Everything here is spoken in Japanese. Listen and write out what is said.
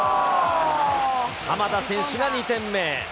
鎌田選手が２点目。